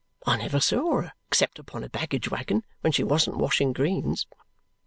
I never saw her, except upon a baggage waggon, when she wasn't washing greens!"